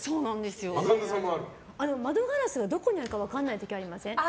窓ガラスがどこにあるか分からない時ありません？